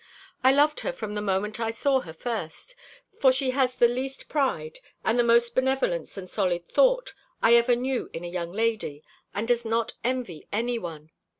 I loved her from the moment I saw her first; for she has the least pride, and the most benevolence and solid thought, I ever knew in a young lady, and does not envy any one.